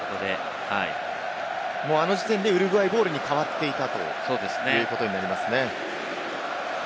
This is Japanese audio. あの時点でウルグアイボールに変わっていたということになりますね。